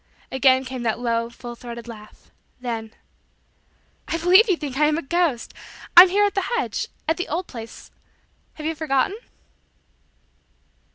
Again came that low, full throated laugh. Then: "I believe you think I am a ghost. I'm here at the hedge at the old place. Have you forgotten?"